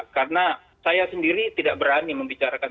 karena saya sendiri tidak berani membicarakan